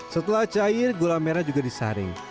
setelah cair gula merah juga disaring